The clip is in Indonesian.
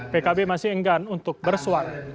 pkb masih enggan untuk bersuara